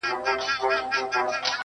لا تر څو به دا سړې دا اوږدې شپې وي.!